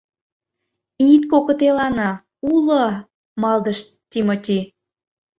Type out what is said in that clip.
— Ит кокытелане, уло... — малдыш Тимоти.